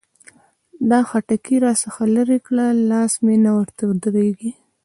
دا خټکي را څخه لري کړه؛ لاس مې نه ورته درېږي.